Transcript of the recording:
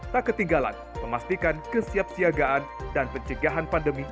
tak ketinggalan memastikan kesiapsiagaan dan pencegahan pandemi